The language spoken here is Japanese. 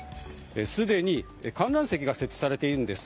すでに観覧席が設置されているんです。